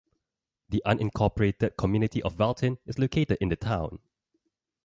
The unincorporated community of Valton is located in the town.